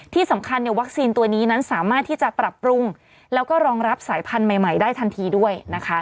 ที่สำคัญเนี่ยวัคซีนตัวนี้นั้นสามารถที่จะปรับปรุงแล้วก็รองรับสายพันธุ์ใหม่ได้ทันทีด้วยนะคะ